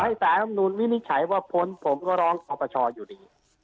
ผมข้างนี่แฉว่าพ้นผมก็รองประชอยูดิ